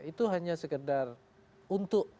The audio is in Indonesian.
itu hanya sekedar untuk